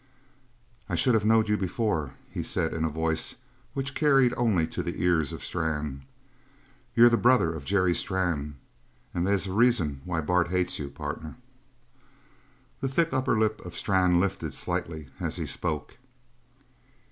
"I should have knowed you before," he said in a voice which carried only to the ears of Strann. "You're the brother of Jerry Strann. And they's a reason why Bart hates you, partner!" The thick upper lip of Strann lifted slightly as he spoke.